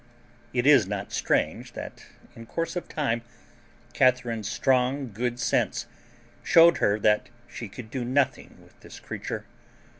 It is not strange that in course of time Catharine's strong good sense showed her that she could do nothing with this creature.